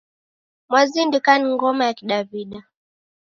Mwazindika ni ngoma ya kidawida